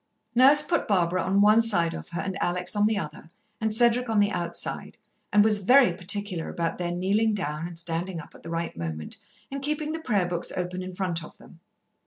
Nurse put Barbara on one side of her and Alex on the other, and Cedric on the outside, and was very particular about their kneeling down and standing up at the right moment, and keeping the prayer books open in front of them.